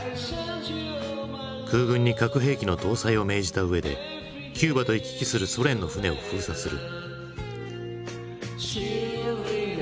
空軍に核兵器の搭載を命じたうえでキューバと行き来するソ連の船を封鎖する。